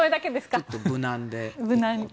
ちょっと、無難で。